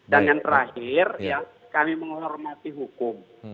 dan yang terakhir ya kami menghormati hukum